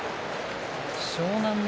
湘南乃